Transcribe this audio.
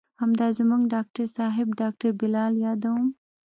همدا زموږ ډاکتر صاحب ډاکتر بلال يادوم.